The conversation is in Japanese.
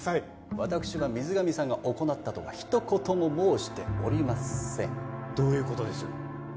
私は水上さんが行ったとはひと言も申しておりませんどういうことです？